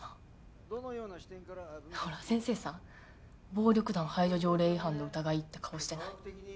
ほら先生さ暴力団排除条例違反の疑いって顔してない？